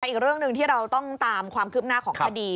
อีกเรื่องหนึ่งที่เราต้องตามความคืบหน้าของคดี